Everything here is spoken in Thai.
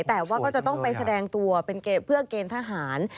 แต่ว่าก็จะต้องไปแสดงตัวเป็นเพื่อเกณฑ์ทหาร